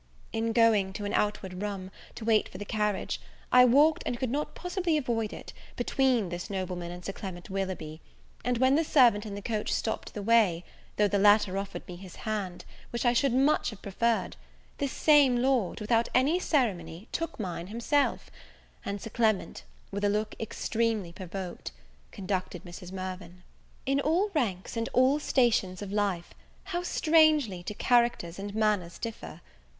In going to an outward room, to wait for the carriage, I walked, and could not possibly avoid it, between this nobleman and Sir Clement Willoughby, and, when the servant said the coach stopped the way, though the latter offered me his hand, which I should much have preferred, this same lord, without any ceremony, took mine himself; and Sir Clement, with a look extremely provoked, conducted Mrs. Mirvan. In all ranks and all stations of life, how strangely do characters and manners differ!